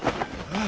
ああ！